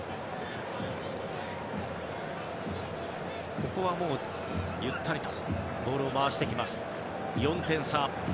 ここはゆったりとボールを回すポルトガル。